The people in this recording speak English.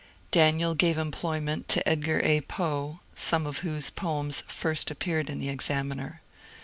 Daniel gave employment to Edgar A. Poe, some of whose poems first appeared in the ^^ Examiner.